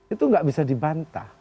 itu gak bisa dibantah